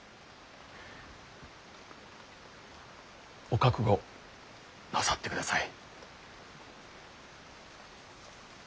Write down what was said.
お覚悟なさってください。